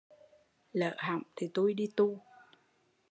Lỡ hỏng thì tui đi tu